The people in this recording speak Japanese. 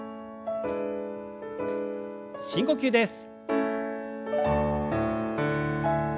深呼吸です。